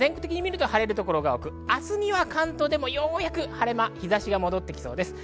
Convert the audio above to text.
今日は関東は曇りや雨ですが、全国的に見ると晴れる所が多く、明日には関東でもようやく晴れ間、日差しが戻ってきそうです。